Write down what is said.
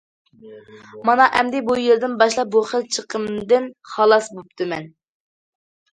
مانا ئەمدى بۇ يىلدىن باشلاپ بۇ خىل چىقىمدىن خالاس بوپتىمەن.